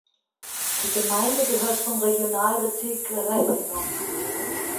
Die Gemeinde gehört zum Regionalbezirk Rethymno.